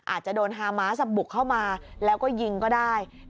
อาจจะโดนฮามาสบุกเข้ามาแล้วก็ยิงก็ได้